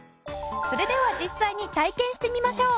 それでは実際に体験してみましょう。